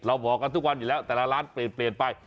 บอกกันทุกวันอยู่แล้วแต่ละร้านเปลี่ยนไป